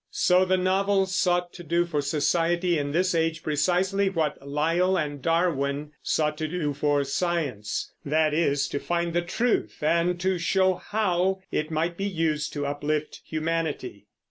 So the novel sought to do for society in this age precisely what Lyell and Darwin sought to do for science, that is, to find the truth, and to show how it might be used to uplift humanity.